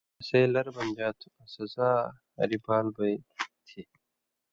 اسے لر بنژا تھو آں سزا ہاریۡ بال بیں تھی۔